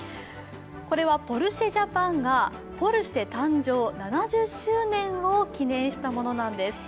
これはポルシェジャパンがポルシェ誕生７０周年を記念したものなんです。